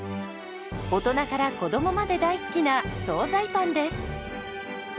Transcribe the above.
大人から子どもまで大好きな総菜パンです。